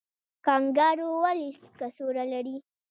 کانګارو ولې کڅوړه لري؟